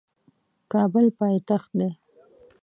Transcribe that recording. کابل پایتخت دی